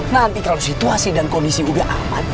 nanti kalau situasi dan kondisi udah aman